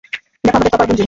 দেখো, আমাদের টপার গুঞ্জু।